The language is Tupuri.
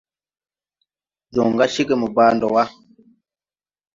Jɔŋ ga cegè mo baa ndo wà.